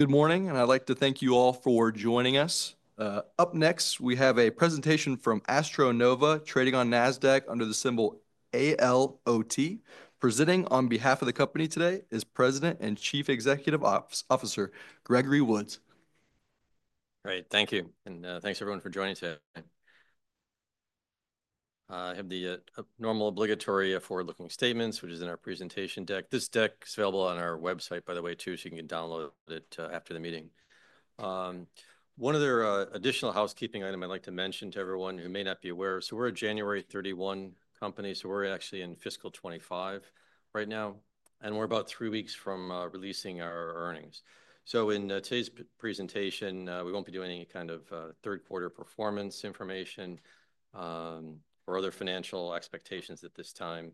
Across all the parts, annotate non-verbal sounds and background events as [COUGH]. Good morning, and I'd like to thank you all for joining us. Up next, we have a presentation from AstroNova, trading on NASDAQ under the symbol ALOT. Presenting on behalf of the company today is President and Chief Executive Officer Gregory Woods. Great, thank you, and thanks everyone for joining today. I have the normal obligatory forward-looking statements, which is in our presentation deck. This deck is available on our website, by the way, too, so you can download it after the meeting. One other additional housekeeping item I'd like to mention to everyone who may not be aware, so we're a January 31 company, so we're actually in fiscal 2025 right now, and we're about three weeks from releasing our earnings. So in today's presentation, we won't be doing any kind of third-quarter performance information or other financial expectations at this time.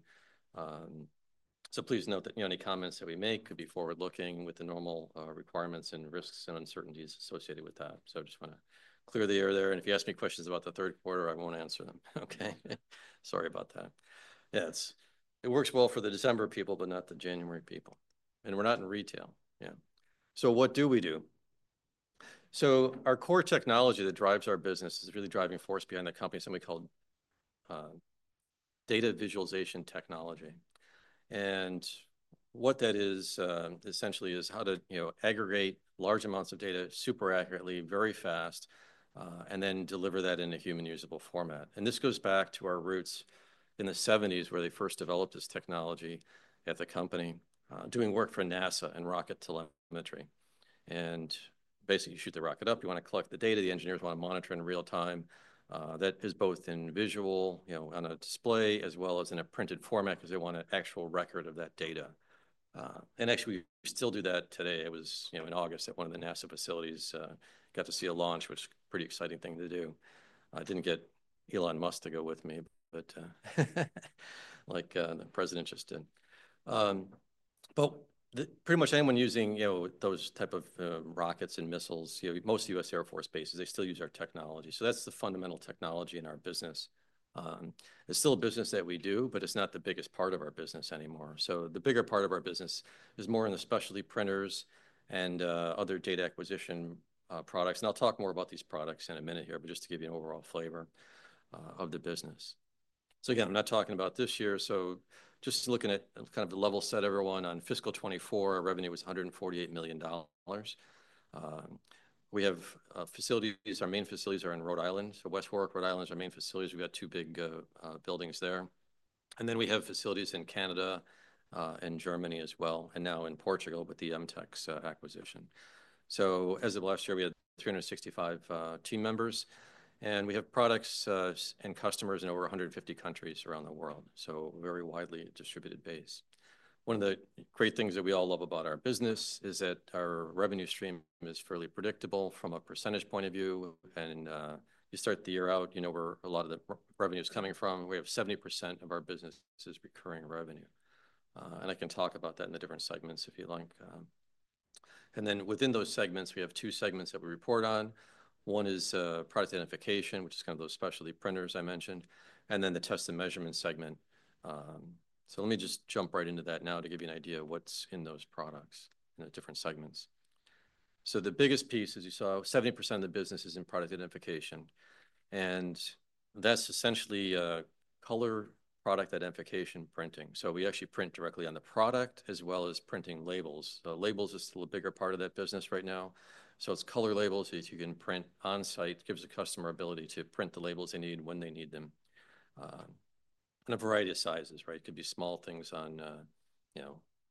So please note that any comments that we make could be forward-looking with the normal requirements and risks and uncertainties associated with that. So I just want to clear the air there, and if you ask me questions about the third quarter, I won't answer them, okay? Sorry about that. Yeah, it works well for the December people, but not the January people. And we're not in retail, yeah. So what do we do? So our core technology that drives our business is really the driving force behind the company, something we call data visualization technology. And what that is essentially is how to aggregate large amounts of data super accurately, very fast, and then deliver that in a human-usable format. And this goes back to our roots in the 1970s where they first developed this technology at the company, doing work for NASA and rocket telemetry. And basically, you shoot the rocket up, you want to collect the data, the engineers want to monitor in real time. That is both in visual, on a display, as well as in a printed format because they want an actual record of that data. Actually, we still do that today. I was in August at one of the NASA facilities, got to see a launch, which is a pretty exciting thing to do. I didn't get Elon Musk to go with me, but like the president just did. Pretty much anyone using those types of rockets and missiles, most U.S. Air Force bases, they still use our technology. That's the fundamental technology in our business. It's still a business that we do, but it's not the biggest part of our business anymore. The bigger part of our business is more in the specialty printers and other data acquisition products. I'll talk more about these products in a minute here, but just to give you an overall flavor of the business. So again, I'm not talking about this year, so just looking at kind of the level set, everyone, on fiscal 2024, our revenue was $148 million. We have facilities. Our main facilities are in Rhode Island, so West Warwick, Rhode Island is our main facilities. We have two big buildings there. And then we have facilities in Canada and Germany as well, and now in Portugal with the MTEX acquisition. So as of last year, we had 365 team members, and we have products and customers in over 150 countries around the world, so a very widely distributed base. One of the great things that we all love about our business is that our revenue stream is fairly predictable from a percentage point of view, and you start the year out, you know where a lot of the revenue is coming from. We have 70% of our business is recurring revenue, and I can talk about that in the different segments if you like, and then within those segments, we have two segments that we report on. One is Product Identification, which is kind of those specialty printers I mentioned, and then the Test and Measurement segment, so let me just jump right into that now to give you an idea of what's in those products in the different segments, so the biggest piece, as you saw, 70% of the business is in Product Identification, and that's essentially color Product Identification printing, so we actually print directly on the product as well as printing labels, so labels is the bigger part of that business right now, so it's color labels, so you can print on-site, gives the customer ability to print the labels they need when they need them. And a variety of sizes, right? It could be small things on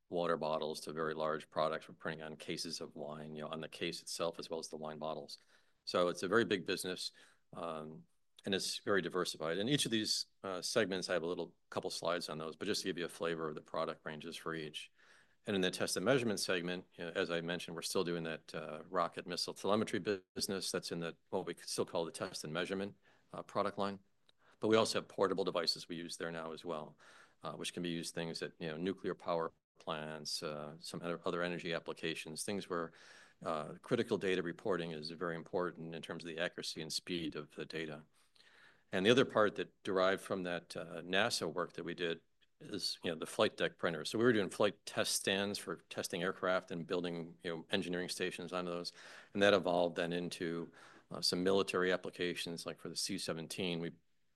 water bottles to very large products. We're printing on cases of wine, you know, on the case itself as well as the wine bottles. So it's a very big business, and it's very diversified. And each of these segments, I have a little couple slides on those, but just to give you a flavor of the product ranges for each. And in the test and measurement segment, as I mentioned, we're still doing that rocket missile telemetry business that's in what we still call the test and measurement product line. But we also have portable devices we use there now as well, which can be used in things that, you know, nuclear power plants, some other energy applications, things where critical data reporting is very important in terms of the accuracy and speed of the data. And the other part that derived from that NASA work that we did is the flight deck printers. So we were doing flight test stands for testing aircraft and building engineering stations on those, and that evolved then into some military applications, like for the C-17, we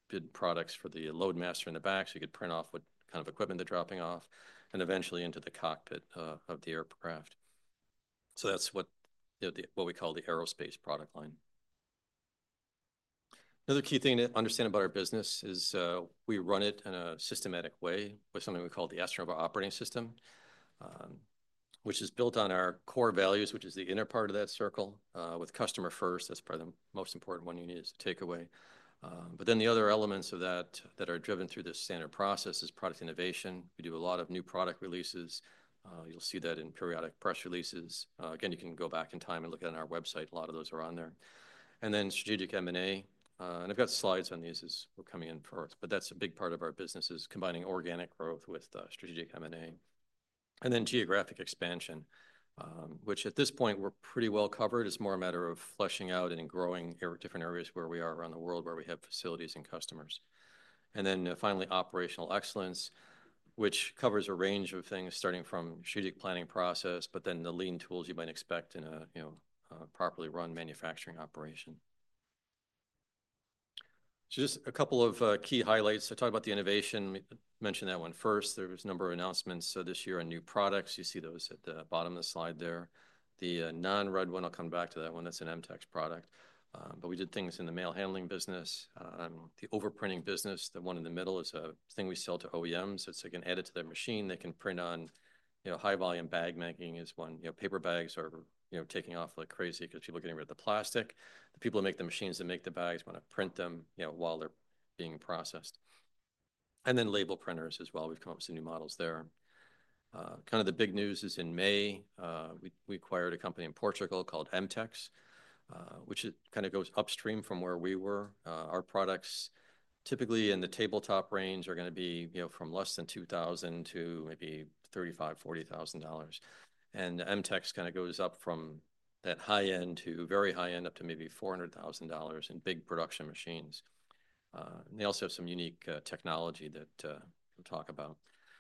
did products for the loadmaster in the back so you could print off what kind of equipment they're dropping off, and eventually into the cockpit of the aircraft. So that's what we call the aerospace product line. Another key thing to understand about our business is we run it in a systematic way with something we call the AstroNova Operating System, which is built on our core values, which is the inner part of that circle with customer first. That's probably the most important one you need to take away. But then the other elements of that that are driven through this standard process is product innovation. We do a lot of new product releases. You'll see that in periodic press releases. Again, you can go back in time and look at it on our website. A lot of those are on there. And then strategic M&A, and I've got slides on these as we're coming in fourth, but that's a big part of our business is combining organic growth with strategic M&A. And then geographic expansion, which at this point we're pretty well covered. It's more a matter of fleshing out and growing different areas where we are around the world where we have facilities and customers. And then finally, operational excellence, which covers a range of things starting from strategic planning process, but then the lean tools you might expect in a properly run manufacturing operation. So just a couple of key highlights. I talked about the innovation, mentioned that one first. There was a number of announcements this year on new products. You see those at the bottom of the slide there. The non-red one, I'll come back to that one, that's an MTEX product. But we did things in the mail handling business, the overprinting business. The one in the middle is a thing we sell to OEMs. It's like an added to their machine. They can print on high-volume bag making is one. Paper bags are taking off like crazy because people are getting rid of the plastic. The people who make the machines that make the bags want to print them while they're being processed. And then label printers as well. We've come up with some new models there. Kind of the big news is in May, we acquired a company in Portugal called MTEX, which kind of goes upstream from where we were. Our products typically in the tabletop range are going to be from less than $2,000 to maybe $35,000, $40,000. And MTEX kind of goes up from that high-end to very high-end up to maybe $400,000 in big production machines. And they also have some unique technology that we'll talk about.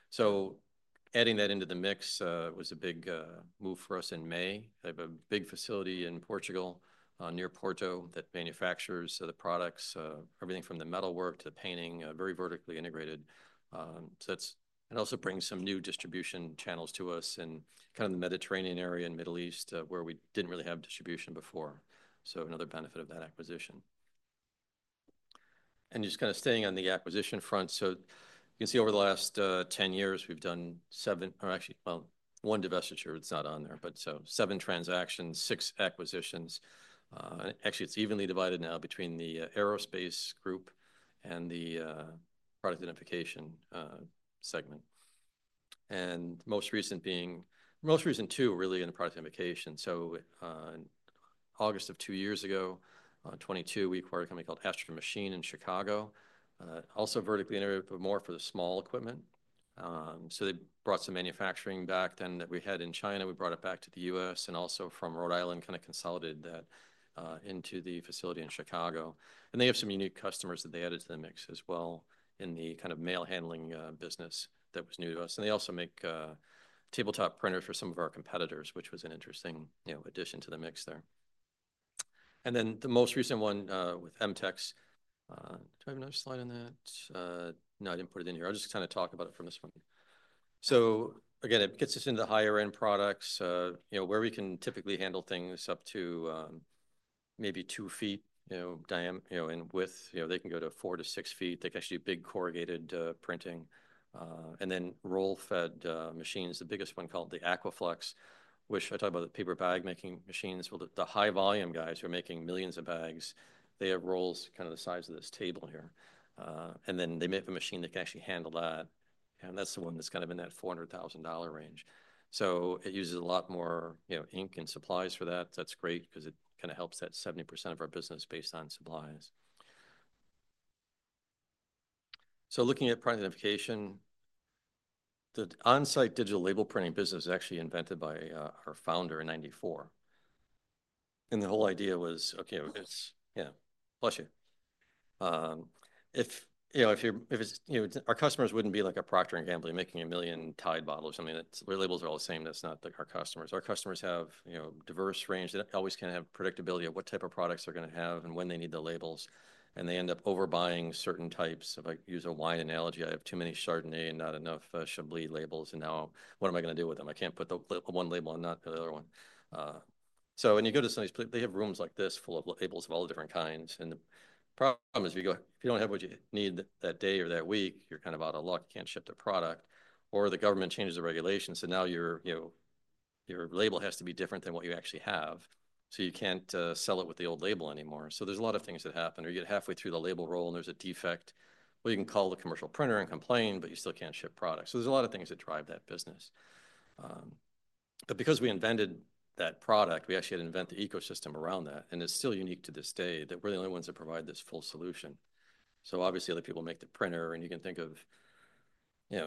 So adding that into the mix was a big move for us in May. They have a big facility in Portugal near Porto that manufactures the products, everything from the metal work to the painting, very vertically integrated. So it also brings some new distribution channels to us in kind of the Mediterranean area and Middle East where we didn't really have distribution before. So another benefit of that acquisition. Just kind of staying on the acquisition front, so you can see over the last 10 years we've done seven, or actually, well, one divestiture, it's not on there, but so seven transactions, six acquisitions. Actually, it's evenly divided now between the aerospace group and the product identification segment. Most recent being, most recent two really in the product identification. In August of two years ago, 2022, we acquired a company called Astro Machine in Chicago, also vertically integrated, but more for the small equipment. They brought some manufacturing back then that we had in China. We brought it back to the U.S. and also from Rhode Island, kind of consolidated that into the facility in Chicago. They have some unique customers that they added to the mix as well in the kind of mail handling business that was new to us. They also make tabletop printers for some of our competitors, which was an interesting addition to the mix there. Then the most recent one with MTEX. Do I have another slide on that? No, I didn't put it in here. I'll just kind of talk about it from this one. Again, it gets us into the higher-end products where we can typically handle things up to maybe two feet in width. They can go to four to six feet. They can actually do big corrugated printing. Roll-fed machines, the biggest one called the Aquaflex, which I talked about the paper bag making machines. The high-volume guys who are making millions of bags, they have rolls kind of the size of this table here. They make a machine that can actually handle that. That's the one that's kind of in that $400,000 range. So it uses a lot more ink and supplies for that. That's great because it kind of helps that 70% of our business based on supplies. So looking at product identification, the on-site digital label printing business was actually invented by our founder in 1994. And the whole idea was, okay, yeah, bless you. If our customers wouldn't be like a Procter & Gamble making a million Tide bottles or something, that's where labels are all the same. That's not like our customers. Our customers have a diverse range. They always can have predictability of what type of products they're going to have and when they need the labels. And they end up overbuying certain types. If I use a wine analogy, I have too many Chardonnay and not enough Chablis labels, and now what am I going to do with them? I can't put the one label on not the other one. So when you go to somebody's, they have rooms like this full of labels of all different kinds. And the problem is if you don't have what you need that day or that week, you're kind of out of luck. You can't ship the product. Or the government changes the regulations, so now your label has to be different than what you actually have. So you can't sell it with the old label anymore. So there's a lot of things that happen. Or you get halfway through the label roll and there's a defect. Well, you can call the commercial printer and complain, but you still can't ship products. So there's a lot of things that drive that business. But because we invented that product, we actually had to invent the ecosystem around that. And it's still unique to this day that we're the only ones that provide this full solution. So obviously, other people make the printer, and you can think of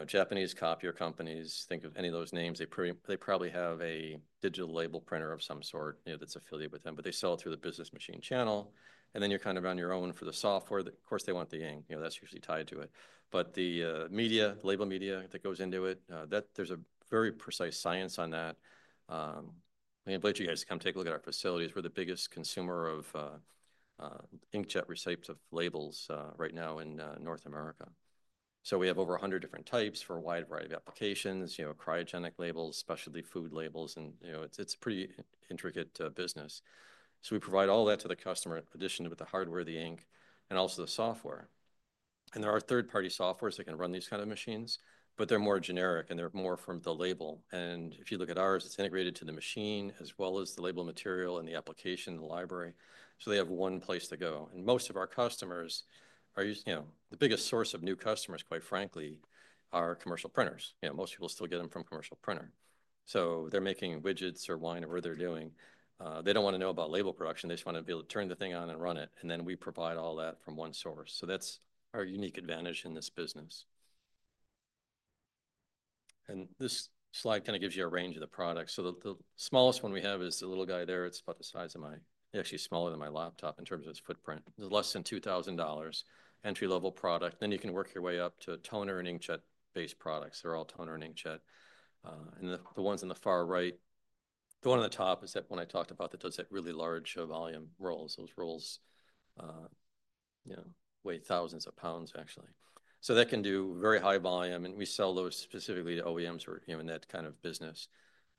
Japanese copier companies, think of any of those names. They probably have a digital label printer of some sort that's affiliated with them, but they sell it through the business machine channel. And then you're kind of on your own for the software. Of course, they want the ink. That's usually tied to it. But the media, the label media that goes into it, there's a very precise science on that. I mean, I invite you guys to come take a look at our facilities. We're the biggest consumer of inkjet recyclable labels right now in North America. So we have over 100 different types for a wide variety of applications, cryogenic labels, specialty food labels, and it's a pretty intricate business. So we provide all that to the customer, in addition to the hardware, the ink, and also the software. And there are third-party softwares that can run these kinds of machines, but they're more generic and they're more from the label. And if you look at ours, it's integrated to the machine as well as the label material and the application and the library. So they have one place to go. And most of our customers are used, the biggest source of new customers, quite frankly, are commercial printers. Most people still get them from commercial printer. So they're making widgets or wine or whatever they're doing. They don't want to know about label production. They just want to be able to turn the thing on and run it, and then we provide all that from one source, so that's our unique advantage in this business, and this slide kind of gives you a range of the products, so the smallest one we have is the little guy there. It's about the size of my, actually smaller than my laptop in terms of its footprint. There's less than $2,000 entry-level product, then you can work your way up to toner and inkjet-based products. They're all toner and inkjet, and the ones in the far right, the one on the top is that one I talked about that does that really large volume rolls. Those rolls weigh thousands of pounds, actually. That can do very high volume, and we sell those specifically to OEMs who are in that kind of business.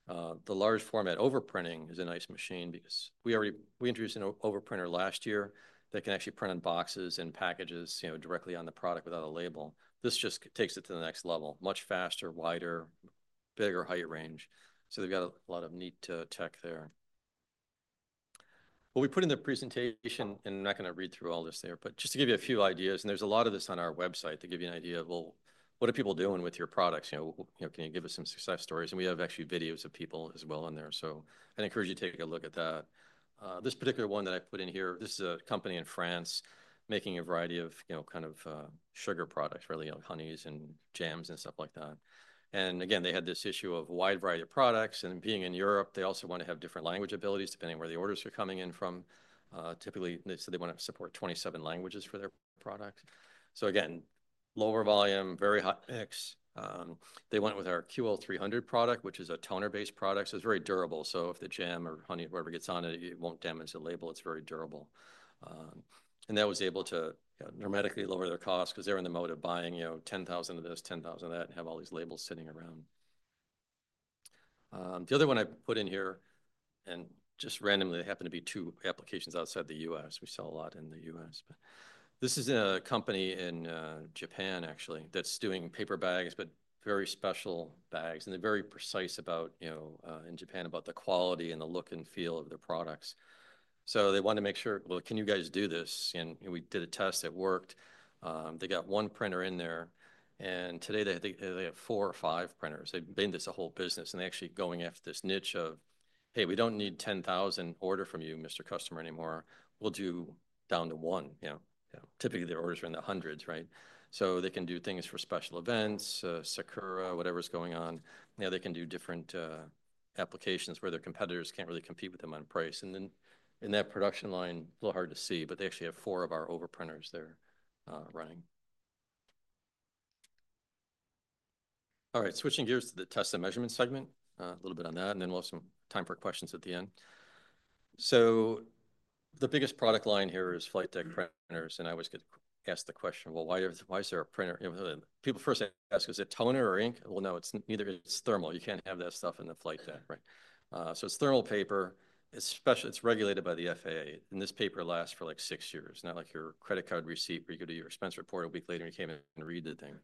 The large format overprinting is a nice machine because we introduced an overprinter last year that can actually print on boxes and packages directly on the product without a label. This just takes it to the next level, much faster, wider, bigger height range. So they've got a lot of neat tech there. Well, we put in the presentation, and I'm not going to read through all this there, but just to give you a few ideas. And there's a lot of this on our website to give you an idea of, well, what are people doing with your products? Can you give us some success stories? And we have actually videos of people as well on there. So I'd encourage you to take a look at that. This particular one that I put in here, this is a company in France making a variety of kind of sugar products, really, honeys and jams and stuff like that, and again, they had this issue of a wide variety of products, and being in Europe, they also want to have different language abilities depending on where the orders are coming in from. Typically, they said they want to support 27 languages for their products, so again, lower volume, very high mix. They went with our QL-300 product, which is a toner-based product, so it's very durable, so if the jam or honey, whatever gets on it, it won't damage the label. It's very durable, and that was able to dramatically lower their cost because they're in the mode of buying 10,000 of this, 10,000 of that, and have all these labels sitting around. The other one I put in here, and just randomly, there happened to be two applications outside the U.S. We sell a lot in the U.S., but this is a company in Japan, actually, that's doing paper bags, but very special bags, and they're very precise about, in Japan, about the quality and the look and feel of their products, so they wanted to make sure, well, can you guys do this, and we did a test. It worked. They got one printer in there, and today, they have four or five printers. They've been this a whole business, and they're actually going after this niche of, hey, we don't need 10,000 orders from you, Mr. Customer, anymore. We'll do down to one. Typically, their orders are in the hundreds, right, so they can do things for special events, Sakura, whatever's going on. They can do different applications where their competitors can't really compete with them on price, and then in that production line, a little hard to see, but they actually have four of our overprinters there running. All right, switching gears to the test and measurement segment, a little bit on that, and then we'll have some time for questions at the end, so the biggest product line here is flight deck printers, and I always get asked the question, well, why is there a printer? People first ask, is it toner or ink? Well, no, it's neither. It's thermal. You can't have that stuff in the flight deck, right, so it's thermal paper. It's regulated by the FAA, and this paper lasts for like six years, not like your credit card receipt where you go to your expense report a week later and you can't even read the thing.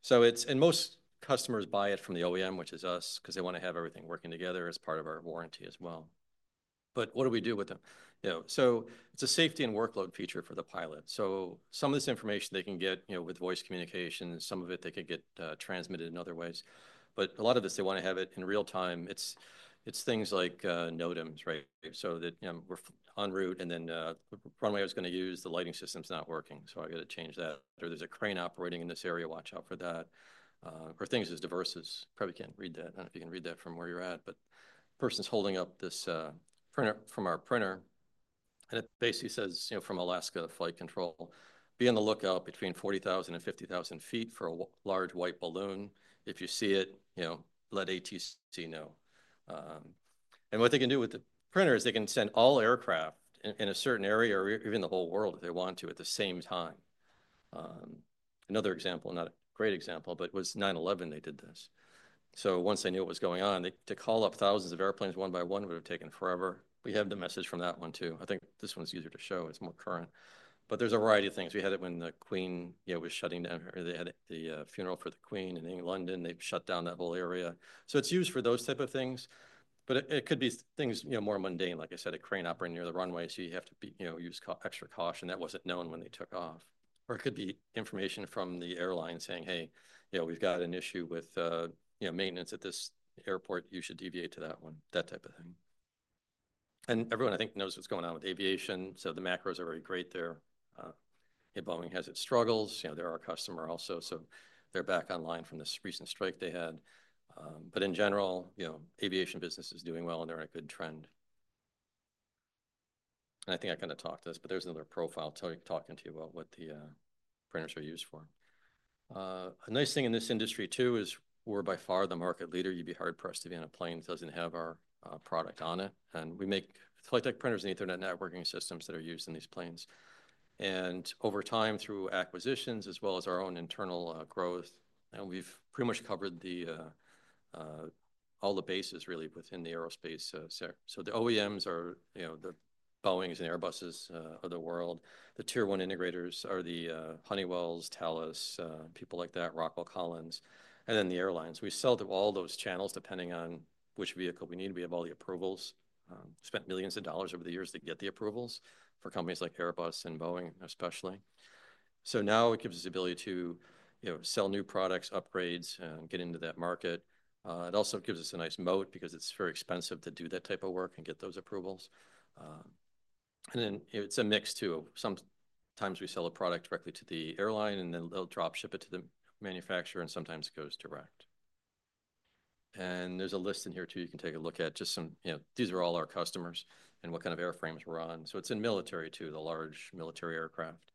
So it's, and most customers buy it from the OEM, which is us, because they want to have everything working together as part of our warranty as well. But what do we do with them? So it's a safety and workload feature for the pilot. So some of this information they can get with voice communications. Some of it they could get transmitted in other ways. But a lot of this, they want to have it in real time. It's things like NOTAMs, right? So that we're en route and then the runway we're going to use, the lighting system's not working. So I got to change that. Or there's a crane operating in this area. Watch out for that. Or things as diverse as, probably can't read that. I don't know if you can read that from where you're at, but a person's holding up this printer from our printer, and it basically says, from Alaska Flight Control, be on the lookout between 40,000 and 50,000 feet for a large white balloon. If you see it, let ATC know. What they can do with the printer is they can send all aircraft in a certain area or even the whole world if they want to at the same time. Another example, not a great example, but it was 9/11 they did this, so once they knew what was going on, to call up thousands of airplanes one by one would have taken forever. We have the message from that one too. I think this one's easier to show. It's more current, but there's a variety of things. We had it when the Queen was shutting down, or they had the funeral for the Queen in London. They've shut down that whole area. So it's used for those types of things. But it could be things more mundane, like I said, a crane operating near the runway. So you have to use extra caution. That wasn't known when they took off. Or it could be information from the airline saying, hey, we've got an issue with maintenance at this airport. You should deviate to that one, that type of thing, and everyone, I think, knows what's going on with aviation, so the macros are very great there. A Boeing has its struggles. They're our customer also. So they're back online from this recent strike they had. But in general, aviation business is doing well and they're in a good trend. I think I kind of talked to this, but there's another profile talking to you about what the printers are used for. A nice thing in this industry too is we're by far the market leader. You'd be hard-pressed to be on a plane that doesn't have our product on it. We make flight deck printers and Ethernet networking systems that are used in these planes. Over time, through acquisitions as well as our own internal growth, we've pretty much covered all the bases really within the aerospace sector. The OEMs are the Boeings and Airbuses of the world. The tier one integrators are the Honeywells, Thales, people like that, Rockwell Collins. Then the airlines. We sell to all those channels depending on which vehicle we need. We have all the approvals. Spent millions of dollars over the years to get the approvals for companies like Airbus and Boeing, especially. So now it gives us the ability to sell new products, upgrades, and get into that market. It also gives us a nice moat because it's very expensive to do that type of work and get those approvals. And then it's a mix too. Sometimes we sell a product directly to the airline and then they'll drop ship it to the manufacturer and sometimes it goes direct. And there's a list in here too. You can take a look at just some, these are all our customers and what kind of airframes we're on. So it's in military too, the large military aircraft.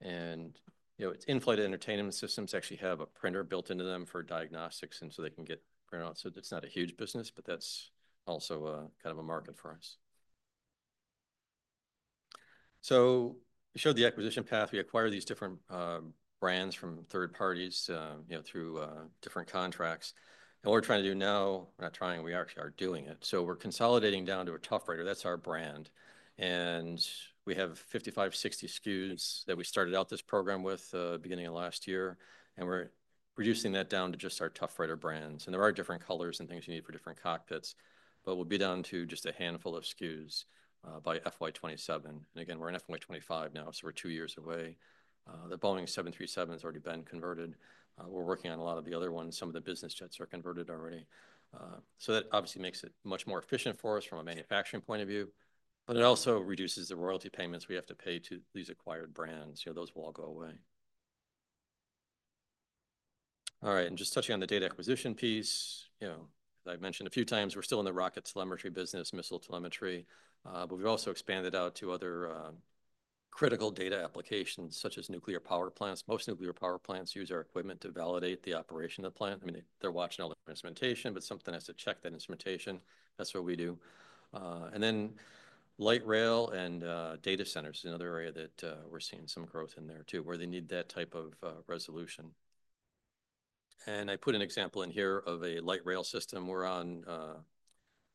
And it's inflight entertainment systems actually have a printer built into them for diagnostics and so they can get printouts. So it's not a huge business, but that's also kind of a market for us. So we showed the acquisition path. We acquired these different brands from third parties through different contracts. And what we're trying to do now, we're not trying, we actually are doing it. So we're consolidating down to a ToughWriter. That's our brand. And we have 55, 60 SKUs that we started out this program with beginning of last year. And we're reducing that down to just our ToughWriter brands. And there are different colors and things you need for different cockpits. But we'll be down to just a handful of SKUs by FY27. And again, we're in FY25 now, so we're two years away. The Boeing 737 has already been converted. We're working on a lot of the other ones. Some of the business jets are converted already. So that obviously makes it much more efficient for us from a manufacturing point of view. But it also reduces the royalty payments we have to pay to these acquired brands. Those will all go away. All right. And just touching on the data acquisition piece, as I've mentioned a few times, we're still in the rocket telemetry business, missile telemetry. But we've also expanded out to other critical data applications such as nuclear power plants. Most nuclear power plants use our equipment to validate the operation of the plant. I mean, they're watching all the instrumentation, but something has to check that instrumentation. That's what we do. And then light rail and data centers is another area that we're seeing some growth in there too, where they need that type of resolution. And I put an example in here of a light rail system. We're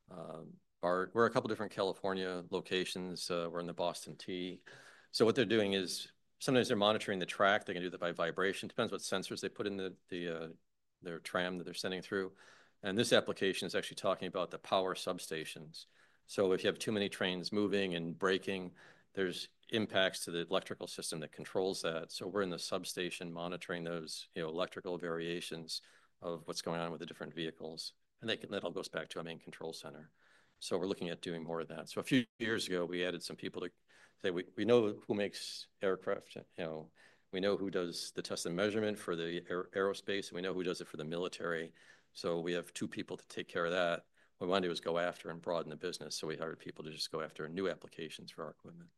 a couple of different California locations. We're in the Boston T. So what they're doing is sometimes they're monitoring the track. They can do that by vibration. It depends what sensors they put in their tram that they're sending through. And this application is actually talking about the power substations. So if you have too many trains moving and braking, there's impacts to the electrical system that controls that. So we're in the substation monitoring those electrical variations of what's going on with the different vehicles. And that all goes back to a main control center. So we're looking at doing more of that. So a few years ago, we added some people to say we know who makes aircraft. We know who does the Test and Measurement for the aerospace. We know who does it for the military. So we have two people to take care of that. What we want to do is go after and broaden the business. So we hired people to just go after new applications for our equipment.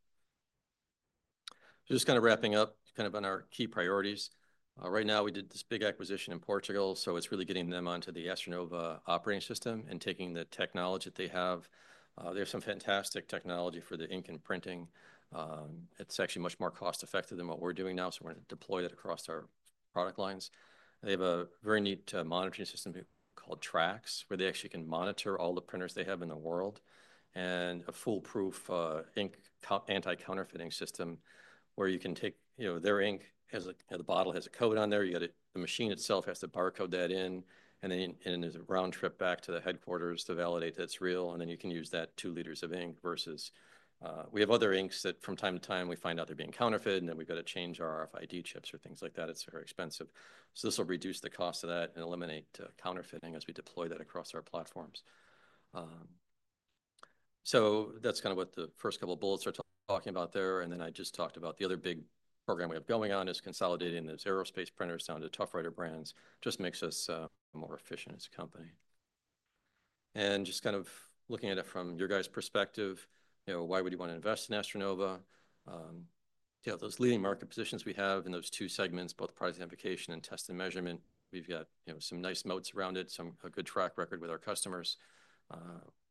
So just kind of wrapping up, kind of on our key priorities. Right now, we did this big acquisition in Portugal. So it's really getting them onto the AstroNova Operating System and taking the technology that they have. They have some fantastic technology for the ink and printing. It's actually much more cost-effective than what we're doing now. So we're going to deploy that across our product lines. They have a very neat monitoring system called TRAX, where they actually can monitor all the printers they have in the world. And a foolproof ink anti-counterfeiting system where you can take their ink as the bottle has a code on there. The machine itself has to barcode that in, and then there's a round trip back to the headquarters to validate that it's real, and then you can use that two liters of ink versus we have other inks that from time to time we find out they're being counterfeited, and then we've got to change our RFID chips or things like that. It's very expensive, so this will reduce the cost of that and eliminate counterfeiting as we deploy that across our platforms, so that's kind of what the first couple of bullets are talking about there, and then I just talked about the other big program we have going on is consolidating those aerospace printers down to ToughWriter brands. Just makes us more efficient as a company, and just kind of looking at it from your guys' perspective, why would you want to invest in AstroNova? Those leading market positions we have in those two segments, both Product Identification and Test and Measurement, we've got some nice moats around it, some good track record with our customers.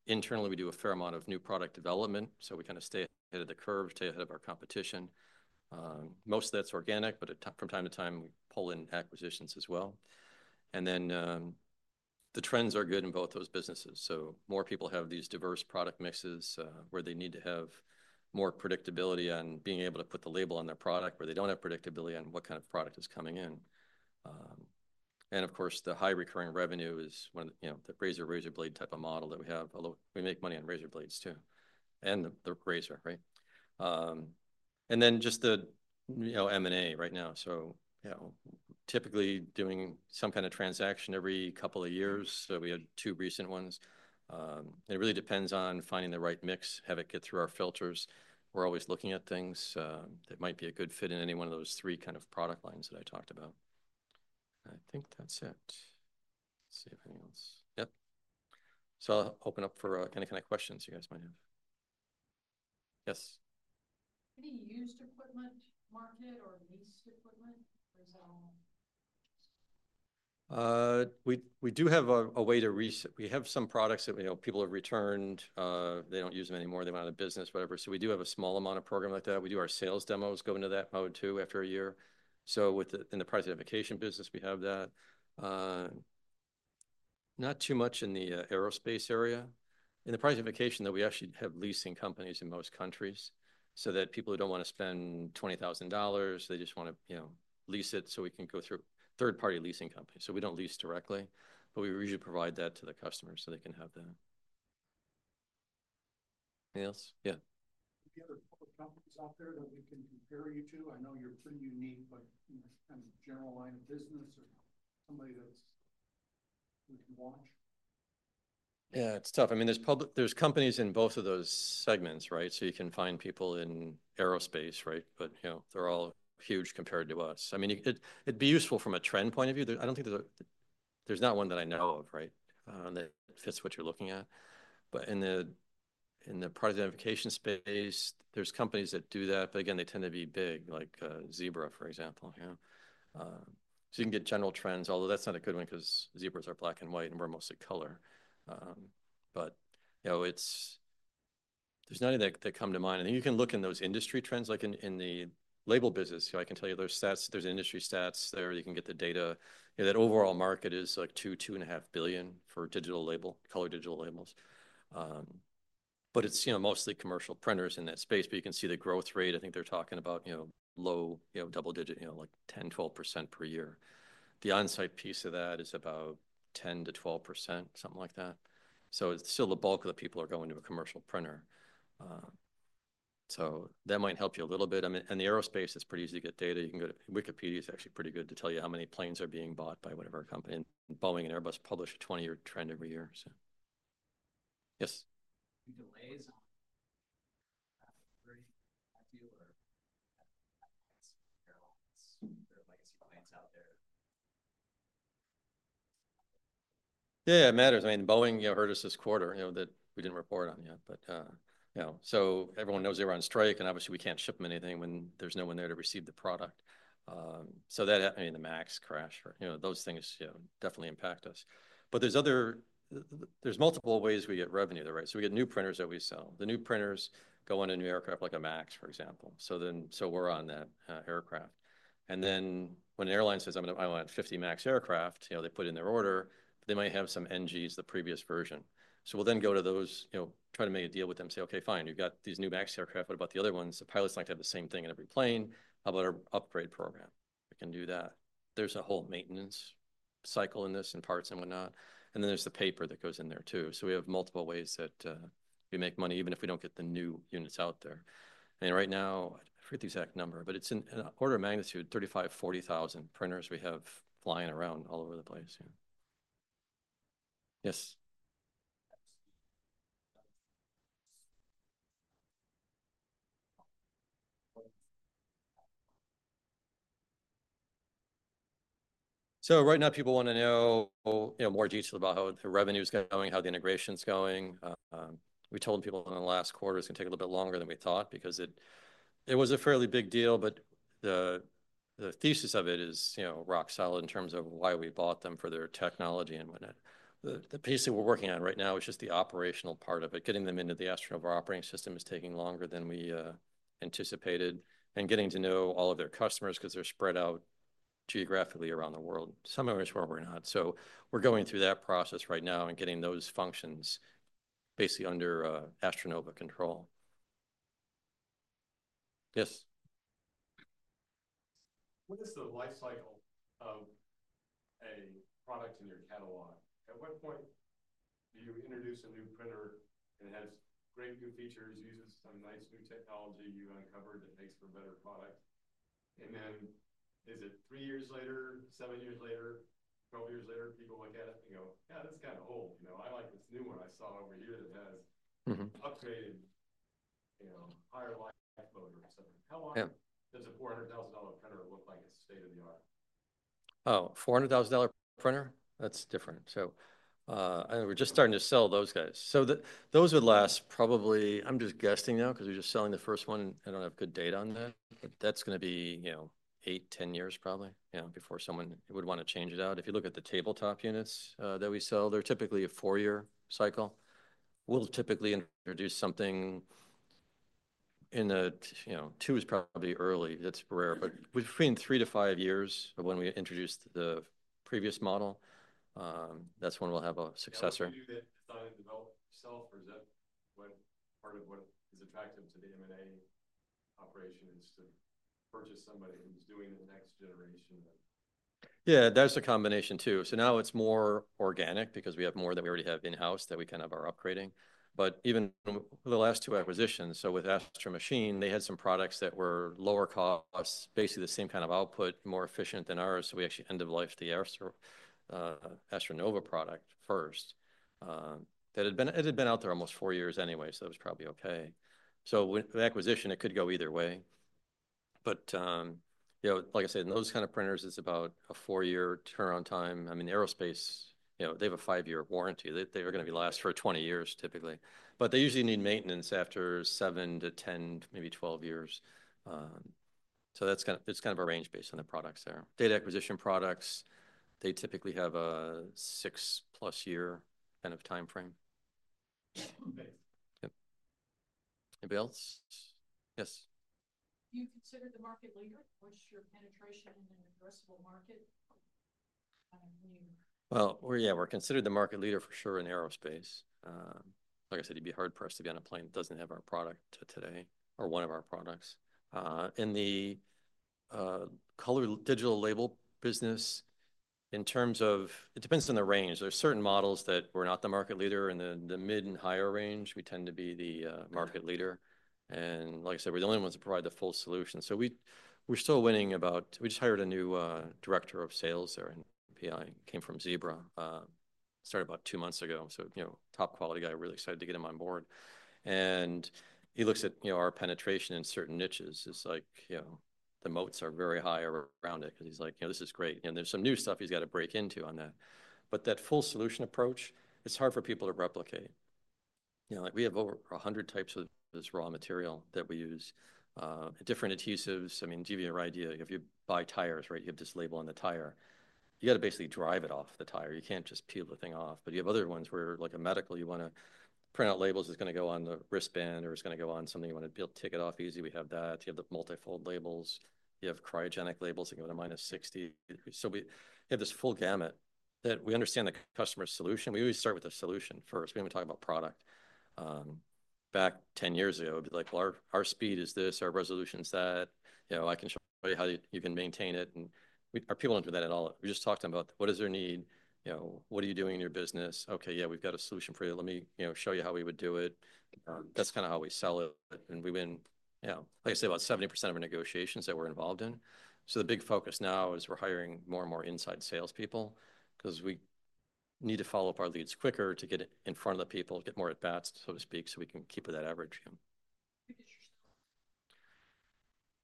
Internally, we do a fair amount of new product development, so we kind of stay ahead of the curve, stay ahead of our competition. Most of that's organic, but from time to time, we pull in acquisitions as well, and then the trends are good in both those businesses, so more people have these diverse product mixes where they need to have more predictability on being able to put the label on their product where they don't have predictability on what kind of product is coming in. And of course, the high recurring revenue is one of the razor blade type of model that we have. We make money on razor blades too, and the razor, right? And then just the M&A right now. So typically doing some kind of transaction every couple of years. So we had two recent ones. It really depends on finding the right mix, have it get through our filters. We're always looking at things that might be a good fit in any one of those three kind of product lines that I talked about. I think that's it. Let's see if anyone else. Yep. So I'll open up for any kind of questions you guys might have. Yes. Any used equipment market or leased equipment? Or is that all? We do have a way to reset. We have some products that people have returned. They don't use them anymore. They went out of business, whatever. So we do have a small amount of program like that. We do our sales demos go into that mode too after a year. So in the product identification business, we have that. Not too much in the aerospace area. In the product identification, though, we actually have leasing companies in most countries so that people who don't want to spend $20,000, they just want to lease it so we can go through third-party leasing companies. So we don't lease directly, but we usually provide that to the customers so they can have that. Anything else? Yeah. Any other public companies out there that we can compare you to? I know you're pretty unique, but kind of general line of business or somebody that we can watch? Yeah, it's tough. I mean, there's companies in both of those segments, right? So you can find people in aerospace, right? But they're all huge compared to us. I mean, it'd be useful from a trend point of view. I don't think there's not one that I know of, right, that fits what you're looking at, but in the product identification space, there's companies that do that, but again, they tend to be big, like Zebra, for example, so you can get general trends, although that's not a good one because Zebras are black and white and we're mostly color, but there's nothing that come to mind, and you can look in those industry trends, like in the label business, I can tell you there's industry stats there, you can get the data, that overall market is like $2-$2.5 billion for digital label, color digital labels, but it's mostly commercial printers in that space, but you can see the growth rate, I think they're talking about low double digit, like 10%-12% per year. The onsite piece of that is about 10%-12%, something like that. So it's still the bulk of the people are going to a commercial printer. So that might help you a little bit. And the aerospace, it's pretty easy to get data. You can go to Wikipedia. It's actually pretty good to tell you how many planes are being bought by whatever company. And Boeing and Airbus publish a 20-year trend every year. Yes? Any delays [AUDIO DISTORTION] planes out there? Yeah, it matters. I mean, Boeing hurt us this quarter that we didn't report on yet. But so everyone knows they were on strike. And obviously, we can't ship them anything when there's no one there to receive the product. So that, I mean, the MAX crash or those things definitely impact us. But there's multiple ways we get revenue there, right? So we get new printers that we sell. The new printers go on a new aircraft like a MAX, for example. So we're on that aircraft. And then when an airline says, "I want 50 MAX aircraft," they put in their order, they might have some NGs, the previous version. So we'll then go to those, try to make a deal with them, say, "Okay, fine. You've got these new MAX aircraft. What about the other ones?" The pilots like to have the same thing in every plane. How about our upgrade program? We can do that. There's a whole maintenance cycle in this and parts and whatnot. And then there's the paper that goes in there too. So we have multiple ways that we make money even if we don't get the new units out there. Right now, I forget the exact number, but it's an order of magnitude, 35,000, 40,000 printers we have flying around all over the place. Yes. Right now, people want to know more details about how the revenue is going, how the integration is going. We told people in the last quarter it's going to take a little bit longer than we thought because it was a fairly big deal, but the thesis of it is rock solid in terms of why we bought them for their technology and whatnot. The piece that we're working on right now is just the operational part of it. Getting them into the AstroNova Operating System is taking longer than we anticipated and getting to know all of their customers because they're spread out geographically around the world. Some areas where we're not. So we're going through that process right now and getting those functions basically under AstroNova control. Yes. What is the life cycle of a product in your catalog? At what point do you introduce a new printer and it has great new features, uses some nice new technology you uncovered that makes for a better product? And then is it three years later, seven years later, 12 years later, people look at it and go, "Yeah, that's kind of old. I like this new one I saw over here that has upgraded higher life mode or something." How long does a $400,000 printer look like it's state of the art? Oh, $400,000 printer? That's different. So we're just starting to sell those guys. So those would last probably. I'm just guessing now because we're just selling the first one. I don't have good data on that, but that's going to be 8-10 years probably before someone would want to change it out. If you look at the tabletop units that we sell, they're typically a four-year cycle. We'll typically introduce something in the two is probably early. That's rare. But between three to five years of when we introduced the previous model, that's when we'll have a successor. Did you design and develop yourself, or is that part of what is attractive to the M&A operation is to purchase somebody who's doing the next generation of? Yeah, that's a combination too. So now it's more organic because we have more than we already have in-house that we kind of are upgrading. But even the last two acquisitions, so with Astro Machine, they had some products that were lower cost, basically the same kind of output, more efficient than ours. So we actually ended the life of the AstroNova product first. It had been out there almost four years anyway, so it was probably okay. So with acquisition, it could go either way. But like I said, in those kind of printers, it's about a four-year turnaround time. I mean, aerospace, they have a five-year warranty. They're going to last for 20 years typically. But they usually need maintenance after seven to 10, maybe 12 years. So that's kind of a range based on the products there. Data acquisition products, they typically have a six-plus year kind of time frame. Yep. Anybody else? Yes. Do you consider the market leader? [AUDIO DISTORTION] Yeah, we're considered the market leader for sure in aerospace. Like I said, you'd be hard-pressed to be on a plane that doesn't have our product today or one of our products. In the color digital label business, in terms of, it depends on the range. There's certain models that we're not the market leader in the mid and higher range. We tend to be the market leader. Like I said, we're the only ones that provide the full solution. We're still winning about we just hired a new director of sales there in PI. He came from Zebra, started about two months ago. Top quality guy, really excited to get him on board. He looks at our penetration in certain niches. It's like the moats are very high around it because he's like, "This is great," and there's some new stuff he's got to break into on that, but that full solution approach, it's hard for people to replicate. We have over 100 types of this raw material that we use, different adhesives. I mean, give you an idea. If you buy tires, right, you have this label on the tire. You got to basically drive it off the tire. You can't just peel the thing off, but you have other ones where like a medical, you want to print out labels that's going to go on the wristband or it's going to go on something you want to be able to take it off easy. We have that. You have the multi-fold labels. You have cryogenic labels that go to -60%. So we have this full gamut that we understand the customer's solution. We always start with the solution first. We don't talk about product. Back 10 years ago, it'd be like, "Well, our speed is this. Our resolution is that. I can show you how you can maintain it." And our people don't do that at all. We just talk to them about what is their need? What are you doing in your business? Okay, yeah, we've got a solution for you. Let me show you how we would do it. That's kind of how we sell it. And we win, like I said, about 70% of our negotiations that we're involved in. So the big focus now is we're hiring more and more inside salespeople because we need to follow up our leads quicker to get in front of the people, get more at bats, so to speak, so we can keep that average.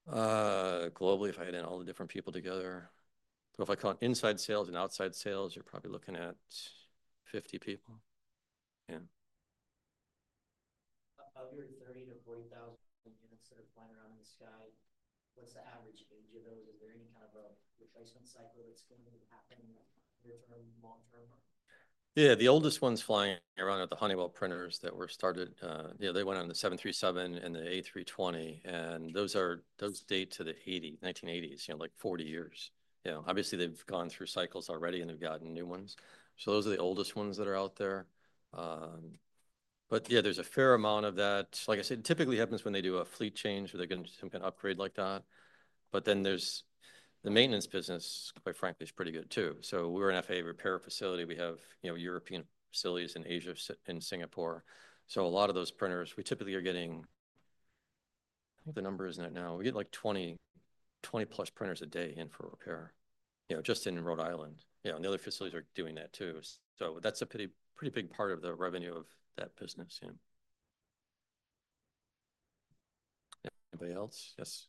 Globally, if I had all the different people together, but if I count inside sales and outside sales, you're probably looking at 50 people. Yeah. Of your 30,000-40,000 units that are flying around in the sky, what's the average age of those? Is there any kind of a replacement cycle that's going to happen in the near term, long term? Yeah, the oldest ones flying around are the Honeywell printers that were started. They went on the 737 and the A320. And those date to the 1980s, like 40 years. Obviously, they've gone through cycles already and they've gotten new ones. So those are the oldest ones that are out there. But yeah, there's a fair amount of that. Like I said, it typically happens when they do a fleet change or they're getting some kind of upgrade like that. But then the maintenance business, quite frankly, is pretty good too. So we're an FAA repair facility. We have facilities in Europe, Asia, and Singapore. So a lot of those printers, we typically are getting them in, isn't it? Now we get like 20-plus printers a day in for repair just in Rhode Island. And the other facilities are doing that too. So that's a pretty big part of the revenue of that business. Anybody else? Yes.